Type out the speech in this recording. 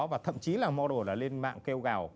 và thậm chí là model là lên mạng kêu gào